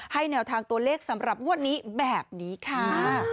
ให้เนื้อทางตัวเลขสำหรับวันนี้แบบนี้ค่า